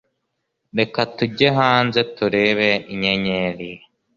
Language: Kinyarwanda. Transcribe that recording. Reka tujye hanze turebe inyenyeri.